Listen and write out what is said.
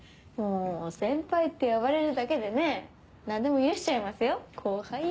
もう先輩って呼ばれるだけでね何でも許しちゃいますよ後輩。